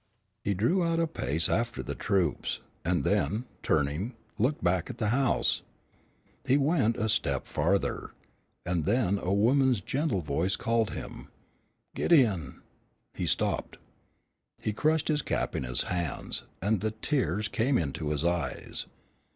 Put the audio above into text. He drew out a pace after the troops, and then, turning, looked back at the house. He went a step farther, and then a woman's gentle voice called him, "Gideon!" He stopped. He crushed his cap in his hands, and the tears came into his eyes.